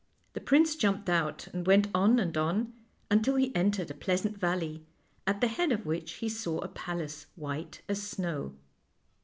The prince jumped out, and went on and on until he entered a pleas ant valley, at the head of which he saw a palace white as snow.